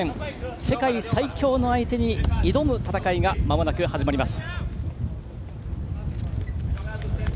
世界最強の相手に挑む戦いがまもなく始まります。